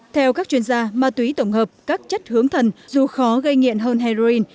theo các chuyên gia ma túy tổng hợp các chất hướng thần dù khó gây nghiện hơn heroin